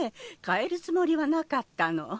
変えるつもりはなかったの。